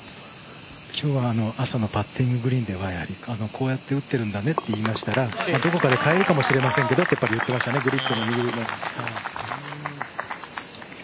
今日は朝のパッティンググリーンではこうやって打っているんだねって言ったら、どこかで変えるかもしれませんけどって言ってましたね、グリップの握りを。